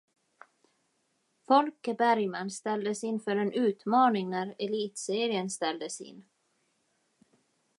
Folke Bergman ställdes inför en utmaning när elitserien ställdes in.